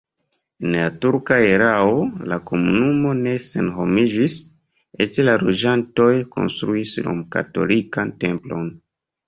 En la turka erao la komunumo ne senhomiĝis, eĉ la loĝantoj konstruis romkatolikan templon.